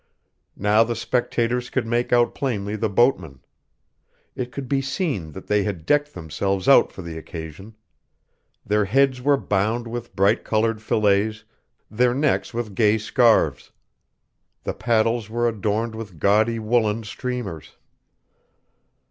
Now the spectators could make out plainly the boatmen. It could be seen that they had decked themselves out for the occasion. Their heads were bound with bright colored fillets, their necks with gay scarves. The paddles were adorned with gaudy woollen streamers.